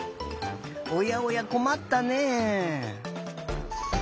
おやおやこまったねえ。